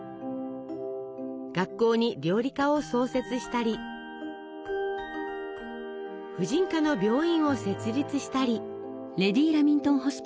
学校に料理科を創設したり婦人科の病院を設立したり。